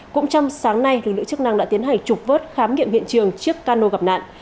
cũng trong sáng nay lực lượng chức năng đã tiến hành trục vớt khám nghiệm hiện trường chiếc cano gặp nạn